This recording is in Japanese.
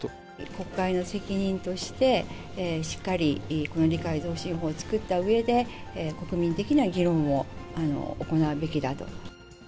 国会の責任として、しっかりこの理解増進法を作ったうえで、国民的な議論を行うべきだと。